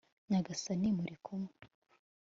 nyagasani muri kumwe